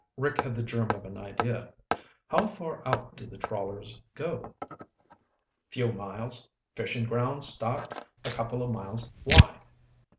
Rick had the germ of an idea. "How far out do the trawlers go?" "Few miles. Fishing grounds start a couple of miles out. Why?"